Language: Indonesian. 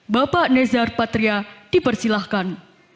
bapak nezar patria dipersilahkan